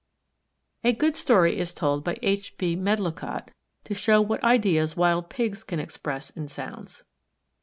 A good story is told by H. B. Medlicott to show what ideas wild pigs can express in sounds.